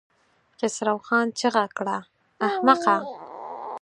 خسرو خان چيغه کړه! احمقه!